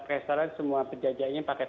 restoran semua pejajanya pakai